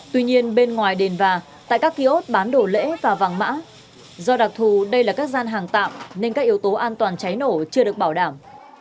tuy nhiên bên ngoài đền và tại các ký ốt bán đồ lễ và vàng mã do đặc thù đây là các gian hàng tạm nên các yếu tố an toàn cháy nổ chưa được bảo đảm